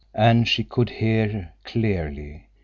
And she could hear—clearly.